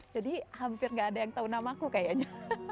jadi hampir nggak ada yang tahu nama aku kayaknya